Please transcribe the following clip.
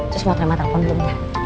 terus mau terima telepon dulu